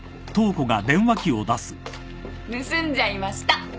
盗んじゃいました。